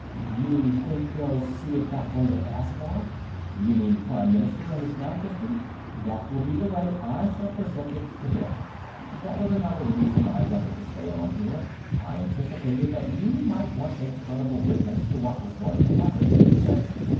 "You think they'll see it that way at Asgard?" "You mean the Prime Minister and His Majesty? That will be the way I shall present it to them. That was another reason I wanted to stay on here. I anticipated that you might want a credible witness to what was going to happen," he said.